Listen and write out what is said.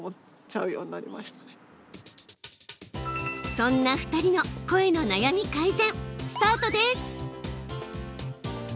そんな２人の声の悩み改善スタートです。